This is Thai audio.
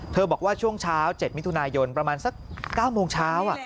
บอกว่าช่วงเช้า๗มิถุนายนประมาณสัก๙โมงเช้า